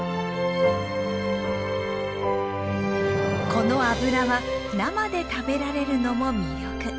この油は生で食べられるのも魅力。